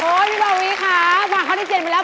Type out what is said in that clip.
โถพี่บาวีค่ะค่ะค่อนนี้เจ็ดไปแล้ว